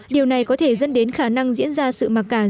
điều này có thể dẫn đến khả năng diễn ra một cuộc chiến đấu